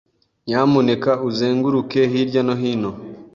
Nyamuneka, uzenguruke hirya no hino